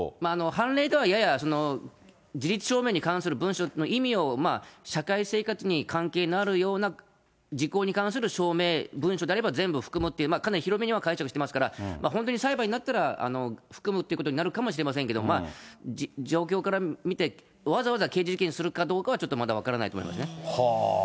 判例では、ややじりつ証明に関する文書の意味を社会生活に関係のあるような事項に関する証明文書であれば、全部含むっていう、かなり広めには解釈していますから、本当に裁判になったら、含むってことになるかもしれませんけど、まあ状況から見て、わざわざ刑事事件にするかどうかはちょっとまだ分からないと思いますね。